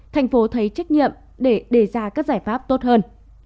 thành phố thấy trách nhiệm để đề ra các giải pháp tốt hơn